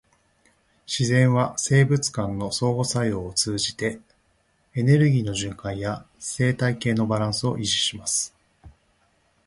自然は生物間の相互作用を通じて、エネルギーの循環や生態系のバランスを維持します。